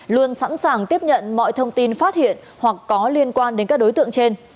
luôn sẵn sàng tiếp nhận mọi thông tin phát hiện hoặc có liên quan đến các đối tượng trên